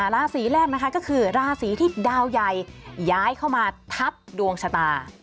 ราศีแรกนะคะก็คือราศีที่ดาวใหญ่ย้ายเข้ามาทับดวงชะตา